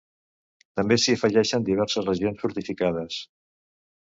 També s'hi afegiren diverses regions fortificades.